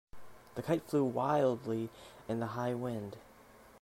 The kite flew wildly in the high wind.